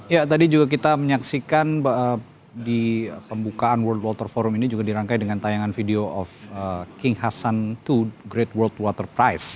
ya tadi juga kita menyaksikan di pembukaan world water forum ini juga dirangkai dengan tayangan video of king hasan to great world waterprise